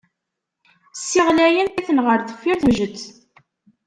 Ssiɣlayen, kkaten ɣer deffir tmejjet.